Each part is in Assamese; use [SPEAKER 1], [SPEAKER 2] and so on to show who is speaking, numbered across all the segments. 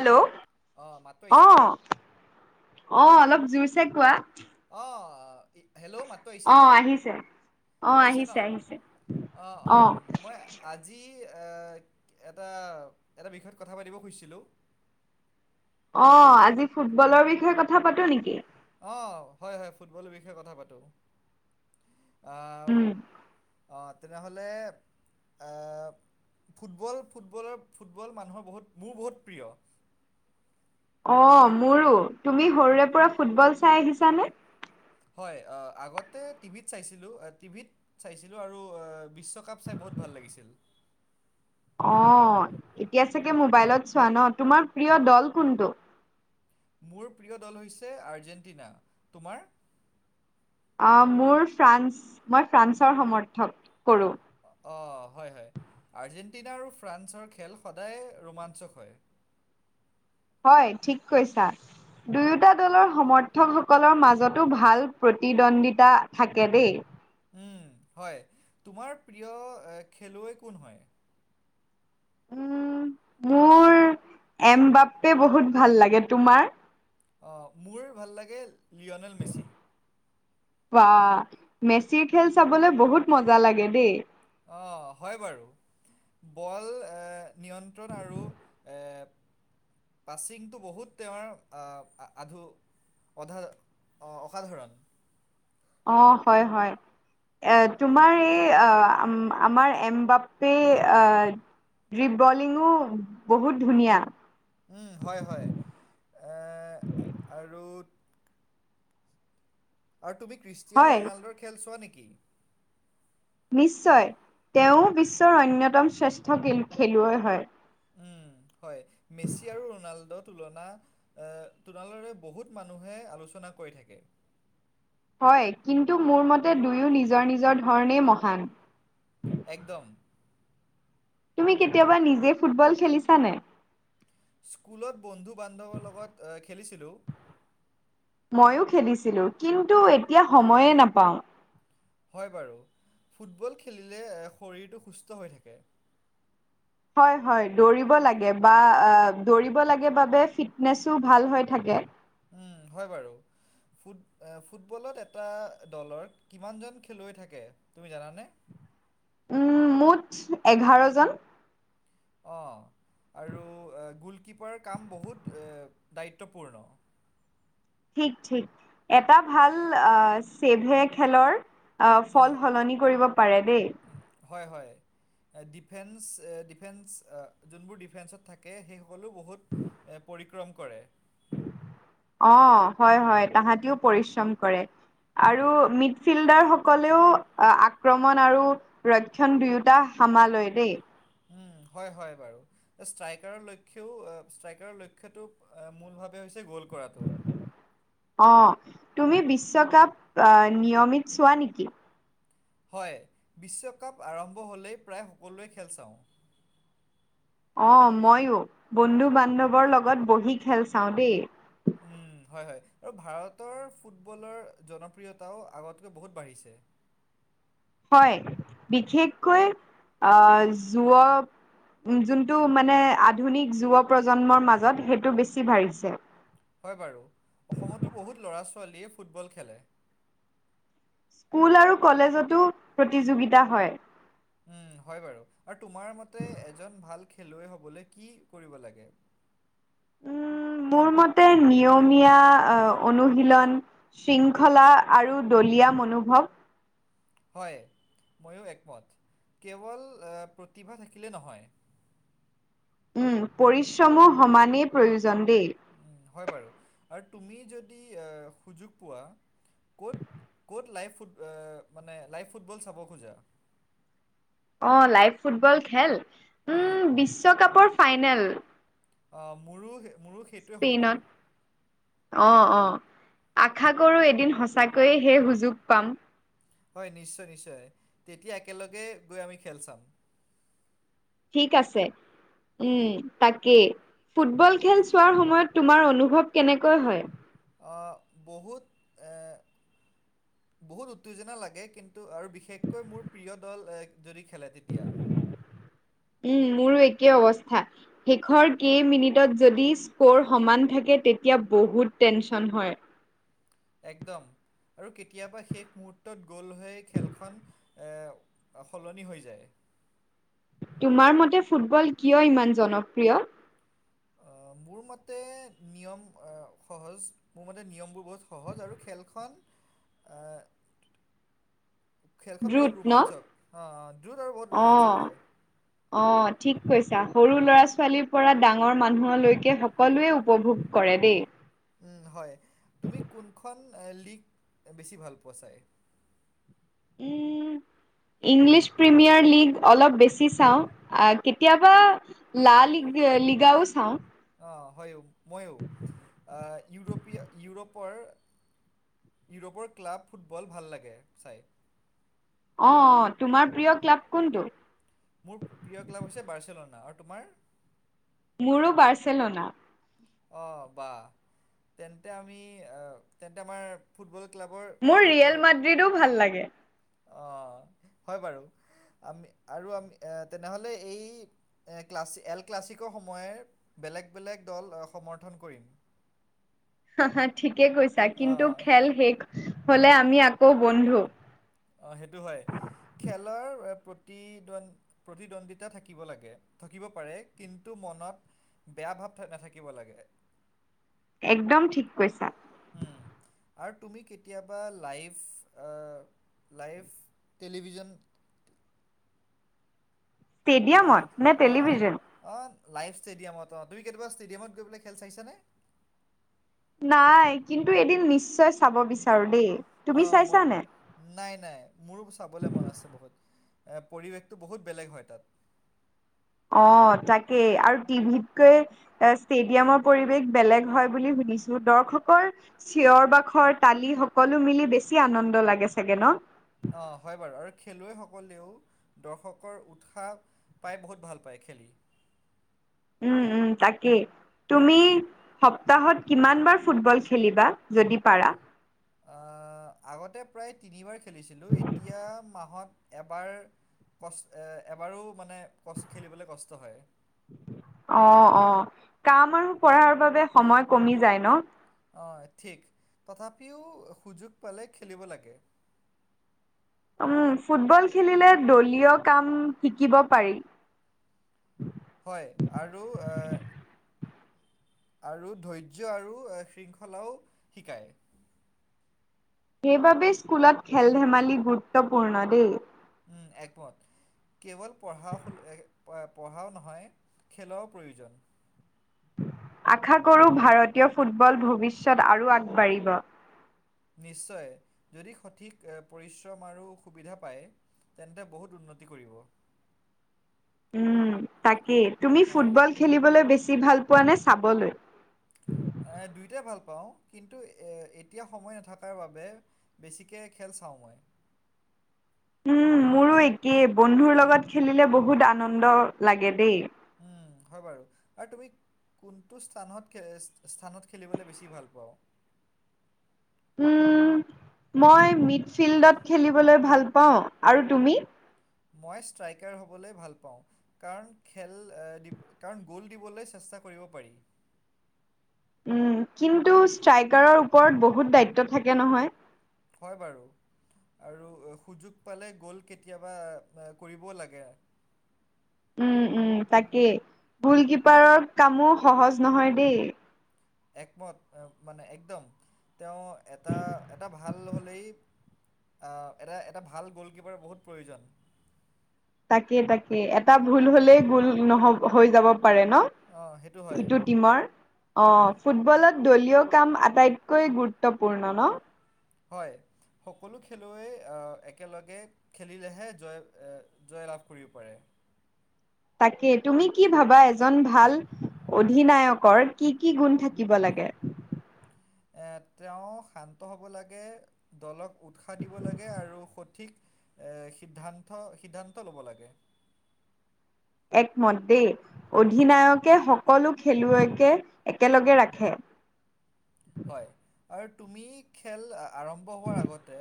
[SPEAKER 1] হেল্ল'
[SPEAKER 2] অঁ মাতটো
[SPEAKER 1] অ',
[SPEAKER 2] আহিছেনে
[SPEAKER 1] অ', অলপ জোৰ চে কোৱা।
[SPEAKER 2] অ', হেল্ল' মাতো
[SPEAKER 1] অ
[SPEAKER 2] আহিছেনে
[SPEAKER 1] আহিছে
[SPEAKER 2] আহিছে ন অ', অ', মই আজি এটা, এটা বিষয়ত কথা পাতিব খুজিছিলোঁ
[SPEAKER 1] অ', আজি ফুটবলৰ বিষয়ে কথা পাতো নেকি।
[SPEAKER 2] অ', হয়, হয় ফুটবলৰ বিষয়ে কথা পাতোঁ অ'। অ', তেনেহ'লে অ'। ফুটবল, ফুটবলৰ ফুটবল মানুহৰ বহুত মোৰ বহুত প্ৰিয়।
[SPEAKER 1] অ', মোৰো তুমি সৰুৰে পৰা ফুটবল চাই আহিছানে?
[SPEAKER 2] হয় আগতে টিভিত চাইছিলোঁ টিভিত চাইছিলোঁ আৰু বিশ্বকাপ চাই বহুত ভাল লাগিছিল।
[SPEAKER 1] অ', এতিয়া চাগে মোবাইলত চোৱা ন, তোমাৰ প্ৰিয় দল কোনটো।
[SPEAKER 2] মোৰ প্ৰিয় দল হৈছে আৰ্জেণ্টিনা, তোমাৰ?
[SPEAKER 1] মোৰ ফ্ৰান্স মই ফ্ৰান্সৰ সমৰ্থক কৰোঁ।
[SPEAKER 2] অ', হয়, হয় আৰ্জেণ্টিনা আৰু ফ্ৰান্সৰ খেল সদায় ৰোমাঞ্চক হয়।
[SPEAKER 1] হয় ঠিক কৈছা। দুয়োটা দলৰ সমৰ্থকসকলৰ মাজতো ভাল প্ৰতিদ্বন্দ্বিতা থাকে দেই।
[SPEAKER 2] উম, হয় তোমাৰ প্ৰিয় খেলুৱৈ কোন হয়।
[SPEAKER 1] উম মোৰ এম বাপে বহুত ভাল লাগে তোমাৰ?
[SPEAKER 2] অ', মোৰ ভাল লাগে লিঅ'নেল মেচি।
[SPEAKER 1] বা মেচিৰ খেল চাবলৈ বহুত মজা লাগে দেই।
[SPEAKER 2] অ', হয় বাৰু। বল নিয়ন্ত্ৰণ আৰু এ পাচিংটো বহুত তেওঁৰ আধু অধা অ', অসাধাৰণ।
[SPEAKER 1] অ', হয়, হয়। এ তোমাৰ এই আহ আমাৰ এম বাপে আহ ড্ৰিপ বলিংয়ো বহুত ধুনীয়া।
[SPEAKER 2] উম হয়, হয় আৰু আৰু তুমি ক্ৰিষ্টিয়ানো
[SPEAKER 1] হয়
[SPEAKER 2] ৰনাল্ডৰ খেল চোৱা নেকি।
[SPEAKER 1] নিশ্চয় তেওঁ বিশ্বৰ অন্যতম শ্ৰেষ্ঠ খেলুৱৈ হয়।
[SPEAKER 2] উম, হয় মেচি আৰু ৰনাল্ডৰ তুলনা এ তোনালৰে বহুত মানুহে আলোচনা কৰি থাকে।
[SPEAKER 1] হয়, কিন্তু মোৰ মতে দুয়ো নিজৰ, নিজৰ ধৰণেই মহান।
[SPEAKER 2] একদম।
[SPEAKER 1] তুমি কেতিয়াবা নিজে ফুটবল খেলিছা নাই?
[SPEAKER 2] স্কুলত বন্ধু বান্ধৱৰ লগত অ', খেলিছিলোঁ।
[SPEAKER 1] ময়ো খেলিছিলোঁ কিন্তু এতিয়া সময়ে নাপাওঁ।
[SPEAKER 2] হয় বাৰু ফুটবল খেলিলে শৰীৰটো সুস্থ হৈ থাকে।
[SPEAKER 1] হয়, হয় দৌৰিব লাগে বা দৌৰিব লাগে বাবে ফিটনেছো ভাল হৈ থাকে।
[SPEAKER 2] উম হয় বাৰু। ফুট ফুটবলত এটা দলৰ কিমানজন খেলুৱৈ থাকে তুমি জানানে?
[SPEAKER 1] উম মুঠ এঘাৰজন।
[SPEAKER 2] অ', আৰু গোলকিপাৰ কাম বহুত দায়িত্বপূৰ্ণ।
[SPEAKER 1] ঠিক, ঠিক এটা ভাল চছেভে খেলৰ অ', ফল সলনি কৰিব পাৰে দেই।
[SPEAKER 2] হয়, হয়। ডিফেন্স ডিফেন্স যোনবোৰ ডিফেন্সত থাকে সেইসকলেও বহুত এ, পৰিক্ৰম কৰে।
[SPEAKER 1] অ' হয় হয়, তাহাঁতিও পৰিশ্ৰম কৰে। আৰু মিডফিল্ডাৰ সকলেও আক্ৰমণ আৰু ৰক্ষণ দুয়োটা সামালয় দেই।
[SPEAKER 2] উ, হয় হয় বাৰু। ষ্ট্ৰাইকাৰৰ লক্ষ্যও উ, ষ্ট্ৰাইকাৰৰ লক্ষ্যটো মূল ভাৱে হৈছে গ'ল কৰাটো।
[SPEAKER 1] অ' তুমি বিশ্বকাপ নিয়মিত চোৱা নেকি?
[SPEAKER 2] হয়, বিশ্বকাপ আৰম্ভ হ'লেই প্ৰায় সকলোৰে খেল চাওঁ।
[SPEAKER 1] অ' ময়ো বন্ধু বান্ধৱৰ লগত বহি খেল চাওঁ দেই।
[SPEAKER 2] উম। হয় হয়, আৰু ভাৰতৰ ফুটবলৰ জনপ্ৰিয়তাও আগতকৈ বহুত বাঢ়িছে।
[SPEAKER 1] হয়, বিশেষকৈ যুৱ যোনটো মানে আধুনিক যুৱ প্ৰজন্মৰ মাজত সেইটো বেছি বাঢ়িছে।
[SPEAKER 2] হয় বাৰু, অসমতো বহুত ল'ৰা ছোৱালীয়ে ফুটবল খেলে।
[SPEAKER 1] স্কুল আৰু কলেজতো প্ৰতিযোগিতা হয়।
[SPEAKER 2] উম হয় বাৰু, আৰু তোমাৰ মতে এজন ভাল খেলুৱৈ হ'বলৈ কি কৰিব লাগে?
[SPEAKER 1] উম, মোৰ মতে উ, নিয়মীয়া অনুশীলন শৃংখলা আৰু দলীয়া মনোভৱ
[SPEAKER 2] হয় ময়ো একমত, কেৱল প্ৰতিভা থাকিলে নহয়।
[SPEAKER 1] উম, পৰিশ্ৰমো সমানেই প্ৰয়োজন দেই।
[SPEAKER 2] হয় বাৰু, আৰু তুমি যদি সুযোগ পোৱা ক'ত ক'ত লাইভ ফুট এ, মানে লাইভ ফুটবল চাব খোজা?
[SPEAKER 1] অ' লাইভ ফুটবল খেল, উম, বিশ্বকাপৰ ফাইনেল
[SPEAKER 2] অ' মোৰো মোৰো সেই
[SPEAKER 1] পেইনত। অ', অ' আশা কৰোঁ এদিন সঁচাকৈয়ে সেই সুযোগ পাম।
[SPEAKER 2] হয় নিশ্চয় নিশ্চয়, তেতিয়া একেলগে গৈ আমি খেল চাম।
[SPEAKER 1] ঠিক আছে। উম, তাকেই। ফুটবল খেল চোৱাৰ সময়ত তোমাৰ অনুভৱ কেনেকৈ হয়?
[SPEAKER 2] অ' বহুত এ বহুত উত্তেজনা লাগে কিন্তু আৰু বিশেষকৈ মোৰ প্ৰিয় দল যদি খেলে তেতিয়া। [inaudible]
[SPEAKER 1] উম, মোৰো একেই অৱস্থা। শেষৰ কেইমিনিটত যদি স্ক'ৰ সমান থাকে তেতিয়া বহুত টেনচন হয়।
[SPEAKER 2] একদম আৰু কেতিয়াবা শেষ মুহূৰ্তত গ'ল হৈ খেলখন এ সলনি হৈ যায়।
[SPEAKER 1] তোমাৰ মতে ফুটবল কিয় ইমান জনপ্ৰিয়?
[SPEAKER 2] আ, মোৰ মতে নিয়ম সহজ, মোৰ মতে নিয়মবোৰ বহুত সহজ আৰু খেলখন এ খেলখন
[SPEAKER 1] দ্ৰুত
[SPEAKER 2] বহুত
[SPEAKER 1] ন?
[SPEAKER 2] ৰোমাঞ্চক, হা, দূৰত আৰু বহুত ৰোমাঞ্চক
[SPEAKER 1] অ'।
[SPEAKER 2] হয়।
[SPEAKER 1] অ' ঠিক কৈছা, সৰু ল'ৰা ছোৱালীৰপৰা ডাঙৰ মানুহলৈকে সকলোৱে উপভোগ কৰে দেই।
[SPEAKER 2] উম, হয়, তুমি কোনখন লিক বেছি ভাল পোৱা চাই?
[SPEAKER 1] উম ইংলিছ প্ৰিমিয়াৰ লীগ অলপ বেছি চাওঁ আ, কেতিয়াবা লাল লিগাও চাওঁ।
[SPEAKER 2] অ' হয় মইয়ো, ইউৰোপীয় ইউৰোপৰ, ইউৰোপৰ ক্লাব ফুটবল ভাল লাগে চাই।
[SPEAKER 1] অ' তোমাৰ প্ৰিয় ক্লাব কোনটো?
[SPEAKER 2] মোৰ প্ৰিয় ক্লাব হৈছে বাৰ্চেলোনা আৰু তোমাৰ?
[SPEAKER 1] মোৰো বাৰ্চেলোনা।
[SPEAKER 2] অঁ বা তেন্তে আমি তেন্তে আমাৰ ফুটবল ক্লাবৰ সেইটো
[SPEAKER 1] ড [unintelligible] ভাল লাগে
[SPEAKER 2] অ হয় বাৰু আমি আৰু আমি এ তেনেহ'লে এই এ ক্লাছ এল ক্লাছিকৰ সময়ে বেলেগ বেলেগ দল সমৰ্থন কৰিম [inaudible]
[SPEAKER 1] ঠিকে কৈছা কিন্তু
[SPEAKER 2] অঁ
[SPEAKER 1] খেল শেষ হলে আমি আকৌ বন্ধু
[SPEAKER 2] অঁ সেইটো হয় খেলৰ প্ৰতিদ্ব প্ৰতিদ্বন্দ্বিতা থাকিব লাগে থাকিব পাৰে কিন্তু মনত বেয়া ভাৱ থা নাথাকিব লাগে
[SPEAKER 1] একদম ঠিক কৈছা
[SPEAKER 2] হম আৰু তুমি কেতিয়াবা লাইভ লাইভ টেলিভিজন অ
[SPEAKER 1] ষ্টেডিয়ামত নে
[SPEAKER 2] অ
[SPEAKER 1] টেলিভিজন
[SPEAKER 2] অ লাইভ ষ্টেডিয়ামত অ তুমি কেতিয়াবা ষ্টেডিয়ামত গৈ পেলাই খেল চাইছানে?
[SPEAKER 1] নাই কিন্তু এদিন নিশ্চয় চাব বিচাৰো দেই
[SPEAKER 2] অ
[SPEAKER 1] তুমি
[SPEAKER 2] মই
[SPEAKER 1] চাইছানে
[SPEAKER 2] নাই নাই মোৰো চাবলৈ মন আছে বহুত পৰিৱেশটো বহুত বেলেগ হয় তাত
[SPEAKER 1] অ তাকেই আৰু টিভিতকৈ এ ষ্টেডিয়ামৰ পৰিৱেশ বেলেগ হয় বুলি শুনিছো দৰ্শকৰ চিঞৰ বাখৰ তালি সকলো মিলি বেছি আনন্দ লাগে চাগে ন
[SPEAKER 2] অ হয় বাৰু আৰু খেলুৱৈসকলেও দৰ্শকৰ উৎসাহ পাই বহুত ভাল পায় খেলি
[SPEAKER 1] উম উম তাকেই তুমি সপ্তাহত কিমান বাৰ ফুটবল খেলিবা যদি পাৰা
[SPEAKER 2] আগতে প্ৰায় তিনিবাৰ খেলিছিলোঁ এতিয়া মাহত এবাৰ কষ্ট এবাৰো মানে ক [unintelligible] খেলিবলৈ কষ্ট হয়
[SPEAKER 1] অ অ কাম আৰু পঢ়াৰ বাবে সময় কমি যায় ন
[SPEAKER 2] অঁ ঠিক তথাপিও সুযোগ পালে খেলিব লাগে
[SPEAKER 1] উম ফুটবল খেলিলে দলীয় কাম শিকিব পাৰি
[SPEAKER 2] হয় আৰু এ আৰু ধৈৰ্য আৰু শৃংখলাও শিকায়
[SPEAKER 1] সেইবাবে স্কুলত খেল ধেমালি গুৰুত্বপূৰ্ণ দেই
[SPEAKER 2] উম একমত কেৱল পঢ়া পঢ়াও নহয় খেলৰ ও প্ৰয়োজন
[SPEAKER 1] আশা কৰোঁ ভাৰতীয় ফুটবল ভৱিষ্যত আৰু আগবাঢ়িব
[SPEAKER 2] নিশ্চয় যদি সঠিক পৰিশ্ৰম আৰু সুবিধা পায় তেন্তে বহুত উন্নতি কৰিব
[SPEAKER 1] তাকে তুমি
[SPEAKER 2] অঁ
[SPEAKER 1] ফুটবল খেলিবলৈ বেছি ভাল পোৱা নে চাবলৈ
[SPEAKER 2] দুয়োটাই ভাল পাওঁ কিন্তু এ এতিয়া সময় নাথকাৰ বাবে বেছিকে খেল চাওঁ মই
[SPEAKER 1] উম মোৰো একেই বন্ধুৰ লগত খেলিলে বহুত আনন্দ লাগে দেই
[SPEAKER 2] উম হয় বাৰু আৰু তুমি কোনটো স্থানত খে স্থানত খেলিবলৈ বেছি ভাল পাওঁ
[SPEAKER 1] উম মই মিড ফিল্ডত খেলিবলৈ ভাল পাওঁ আৰু তুমি
[SPEAKER 2] মই ষ্ট্ৰাইকাৰ হ'বলৈ ভাল পাওঁ কাৰণ খেল কাৰণ গ'ল দিবলৈ চেষ্টা কৰিব পাৰি
[SPEAKER 1] উম কিন্তু ষ্ট্ৰাইকাৰৰ ওপৰত বহুত দায়িত্ব থাকে নহয়
[SPEAKER 2] হয় বাৰু আৰু সুযোগ পালে গ'ল কেতিয়াবা কৰিবও লাগে
[SPEAKER 1] উম উম তাকেই গোল কিপাৰৰ কামো সহজ নহয় দেই
[SPEAKER 2] একমত মানে একদম তেওঁ এটা এটা ভাল হ'লেই এটা এটা ভাল গ'লকিপাৰৰ বহুত প্ৰয়োজন।
[SPEAKER 1] তাকে, তাকে এটা ভুল হলেই ভুল নহ'ব হৈ যাব পাৰে ন।
[SPEAKER 2] অ', সেইটো হয়।
[SPEAKER 1] ইটো টিমৰ অ', ফুটবলত দলীয় কাম আটাইতকৈ গুৰুত্বপূৰ্ণ ন।
[SPEAKER 2] হয় সকলো খেলুৱৈ একেলগে খেলিলেহে জয়, জয় লাভ কৰিব পাৰে।
[SPEAKER 1] তাকে তুমি কি ভাবা এজন ভাল অধিনায়কৰ কি, কি গুণ থাকিব লাগে।
[SPEAKER 2] তেওঁ শান্ত হ'ব লাগে, দলক উৎসাহ দিব লাগে আৰু সঠিক সিদ্ধান্ত, সিদ্ধান্ত ল'ব লাগে।
[SPEAKER 1] একমত দেই অধিনায়কে সকলো খেলুৱৈকে একেলগে ৰাখে।
[SPEAKER 2] হয় আৰু তুমি খেল আৰম্ভ হোৱাৰ আগতে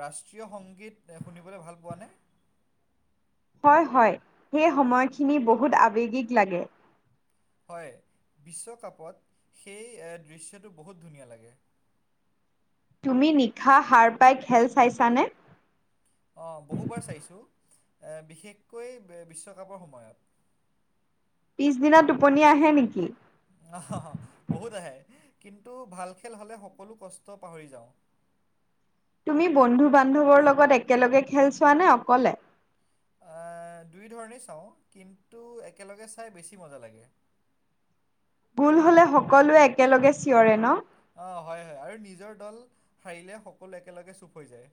[SPEAKER 2] ৰাষ্ট্ৰীয় সংগীত শুনিবলৈ ভাল পোৱা নে।
[SPEAKER 1] হয়, হয় সেই সময়খিনি বহুত আবেগিক লাগে।
[SPEAKER 2] হয় বিশ্বকাপত সেই দৃশ্যটো বহুত ধুনীয়া লাগে।
[SPEAKER 1] তুমি নিশা সাৰ পাই খেল চাইছানে।
[SPEAKER 2] অ', বহুবাৰ চাইছোঁ বিশেষকৈ বিশ্বকাপৰ সময়ত।
[SPEAKER 1] পিছদিনা টোপনি আহে নেকি।
[SPEAKER 2] অহ বহুত আহে কিন্তু ভাল খেল হ'লে সকলো কষ্ট পাহৰি যাওঁ।
[SPEAKER 1] তুমি বন্ধু বান্ধৱৰ লগত একেলগে খেল চোৱা নে অকলে।
[SPEAKER 2] দুই ধৰণেই চাওঁ কিন্তু একেলগে চাই বেছি মজা লাগে।
[SPEAKER 1] ভুল হ'লে সকলোৱে একেলগে চিঞৰে ন।
[SPEAKER 2] অ', হয়, হয় আৰু নিজৰ দল হাৰিলে সকলো একেলগে চুপ হৈ যায়।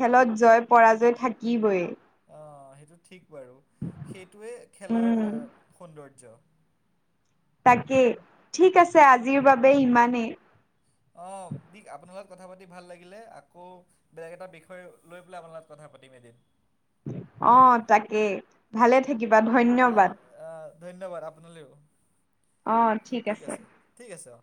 [SPEAKER 1] খেলত জয় পৰাজয় থাকিবই।
[SPEAKER 2] অ', সেইটো ঠিক বাৰু সেইটোৱে খেলাৰ
[SPEAKER 1] উম
[SPEAKER 2] সৌন্দৰ্য্য।
[SPEAKER 1] তাকে ঠিক আছে, আজিৰ বাবে ইমানেই।
[SPEAKER 2] অ', পিক আপোনাৰ লগত কথা পাতি ভাল লাগিলে আকৌ বেলেগ এটা বিষয় লৈ পেলাই আপোনাৰ লগত কথা পাতিম এদিন।
[SPEAKER 1] অ', তাকেই ভালে থাকিবা
[SPEAKER 2] আহ,
[SPEAKER 1] ধন্যবাদ।
[SPEAKER 2] ধন্যবাদ আপোনালৈও ঠিক আছে, ঠিক আছে অ'।